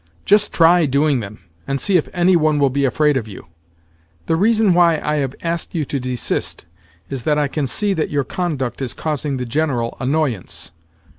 Just try doing them, and see if any one will be afraid of you! The reason why I have asked you to desist is that I can see that your conduct is causing the General annoyance.